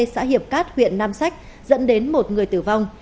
xã hiệp cát huyện nam sách dẫn đến một người tử vong